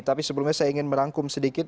tapi sebelumnya saya ingin merangkum sedikit